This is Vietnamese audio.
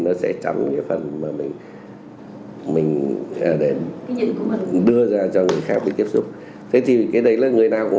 nó sẽ trong cái phần mà mình đưa ra cho người khác để tiếp xúc thế thì cái đấy là người nào cũng